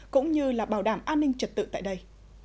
cũng như là bảo đảm an ninh trật tự tại đây